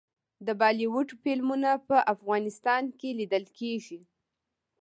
د بالیووډ فلمونه په افغانستان کې لیدل کیږي.